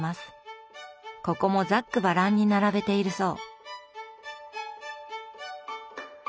ここもざっくばらんに並べているそう。